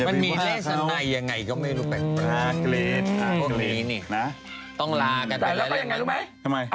วันนี้ไม่ดูแล้วดวงเดิงนั่งด่าไง